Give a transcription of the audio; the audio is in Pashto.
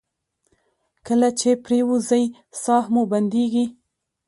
کله چې پریوځئ ساه مو بندیږي؟